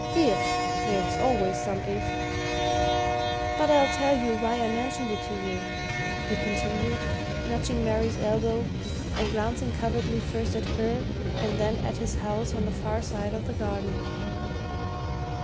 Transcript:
If there's always some if! But I'll tell you why I mentioned it to you," he continued, nudging Mary's elbow and glancing covertly first at her and then at his house on the far side of the garden.